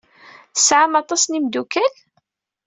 Tesɛam aṭas n yimeddukal?